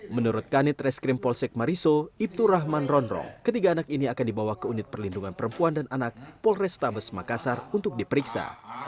menurut kanit reskrim polsek mariso ibtur rahman rondrong ketiga anak ini akan dibawa ke unit perlindungan perempuan dan anak polrestabes makassar untuk diperiksa